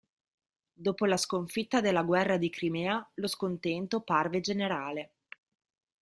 Dopo la sconfitta della guerra di Crimea lo scontento parve generale.